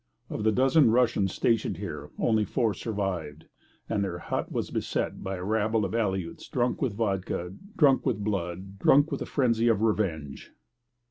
Of the dozen Russians stationed here only four survived; and their hut was beset by a rabble of Aleuts drunk with vodka, drunk with blood, drunk with a frenzy of revenge.